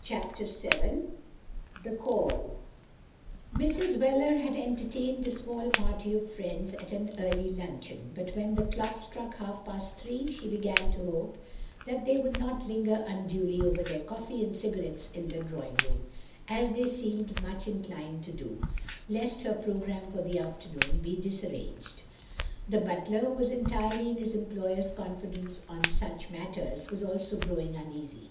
CHAPTER VIi: THE CALL Mrs. Wheler had entertained a small party of friends at an eariy Itmcheon, but when the clock struck half past three, she began to hope that they wotdd not linger undtily over their coffee and cigarettes in the drawing room, as they seemed much inclined to do — ^lest her programme for the afternoon be disarranged. The butler, who was entirely in his employer's confidence on such matters, was also growing uneasy.